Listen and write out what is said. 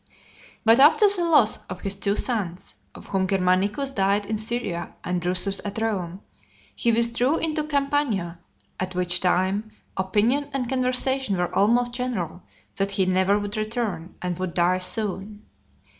XXXIX. But after the loss of his two sons, of whom Germanicus died in Syria, and Drusus at Rome, he withdrew into Campania ; at which time opinion and conversation were almost general, that he never would return, and would die soon.